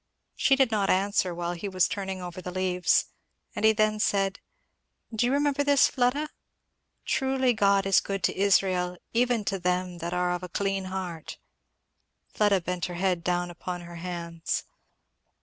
She did not answer while he was turning over the leaves, and he then said, "Do you remember this, Fleda? 'Truly God is good to Israel, even to them that are of a clean heart.'" Fleda bent her head down upon her hands.